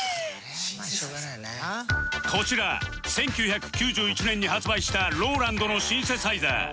こちら１９９１年に発売した Ｒｏｌａｎｄ のシンセサイザー